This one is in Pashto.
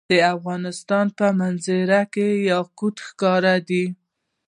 د افغانستان په منظره کې یاقوت ښکاره ده.